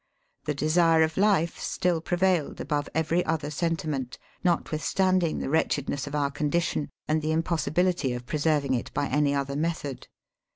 The desire of life still pre vailed above every other sentiment, notwith standing the wretchedness of our condition, and the impossibility of preserving it by any other method.